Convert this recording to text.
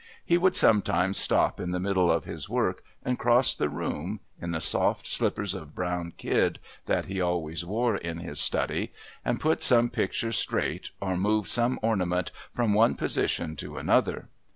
He would sometimes stop in the middle of his work and cross the room, in the soft slippers of brown kid that he always wore in his study, and put some picture straight or move some ornament from one position to another.